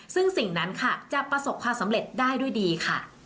ซึ่งสิ่งนั้นค่ะจะประสบความสำเร็จได้ด้วยดีค่ะ